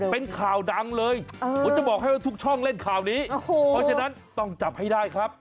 เป็นข่าวดังเลยผมจะบอกให้ว่าทุกช่องเล่นข่าวนี้โอ้โหเพราะฉะนั้นต้องจับให้ได้ครับ